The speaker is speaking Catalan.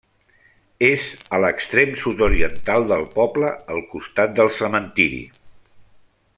És a l'extrem sud-oriental del poble, al costat del cementiri.